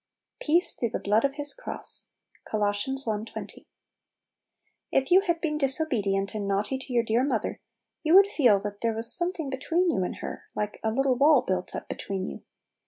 "Peace through the blood of His cross." Col. i 20. IF you had been disobedient and naughty to your dear mother, you would feel that there was something between you and her, like a little wall Little Pillows, 25 built up between you.